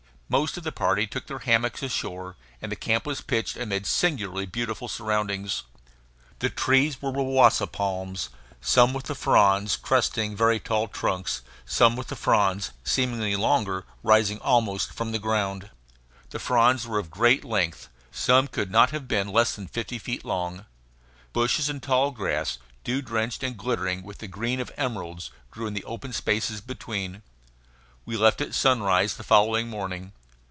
Most of the party took their hammocks ashore, and the camp was pitched amid singularly beautiful surroundings. The trees were wawasa palms, some with the fronds cresting very tall trunks, some with the fronds seemingly longer rising almost from the ground. The fronds were of great length; some could not have been less than fifty feet long. Bushes and tall grass, dew drenched and glittering with the green of emeralds, grew in the open spaces between. We left at sunrise the following morning.